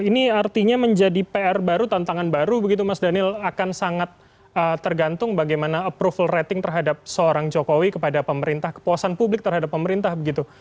ini artinya menjadi pr baru tantangan baru begitu mas daniel akan sangat tergantung bagaimana approval rating terhadap seorang jokowi kepada pemerintah kepuasan publik terhadap pemerintah begitu